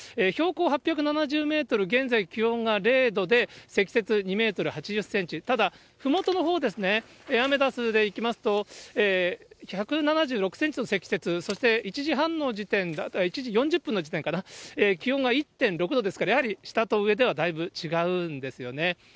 標高８７０メートル、現在、気温が０度で、積雪２メートル８０センチ、ただ、ふもとのほうですね、アメダスでいきますと、１７６センチの積雪、そして１時半の時点、１時４０分の時点かな、気温が１．６度ですから、やはり下と上ではだいぶ違うんですよね。